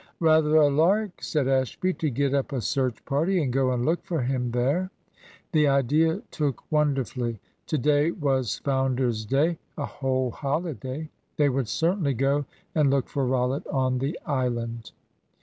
"Rather a lark," said Ashby, "to get up a search party and go and look for him there." The idea took wonderfully. To day was "Founder's Day," a whole holiday. They would certainly go and look for Rollitt on the island.